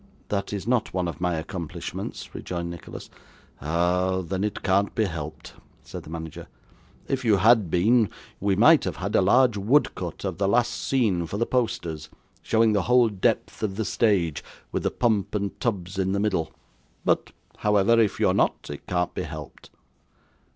'That is not one of my accomplishments,' rejoined Nicholas. 'Ah! Then it can't be helped,' said the manager. 'If you had been, we might have had a large woodcut of the last scene for the posters, showing the whole depth of the stage, with the pump and tubs in the middle; but, however, if you're not, it can't be helped.